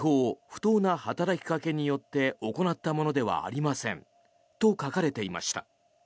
・不当な働きかけによって行ったものではありませんと書かれていました。